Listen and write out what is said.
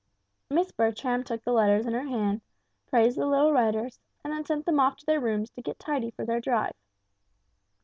Miss Bertram took the letters in her hand, praised the little writers, and then sent them off to their rooms to get tidy for their drive.